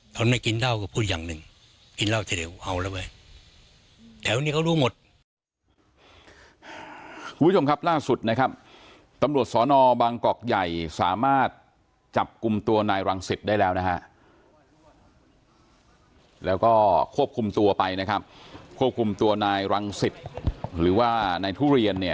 เขาไม่กินเหล้าก็พูดอย่างหนึ่งกินเหล้าจะได้เอาแล้วเว้ย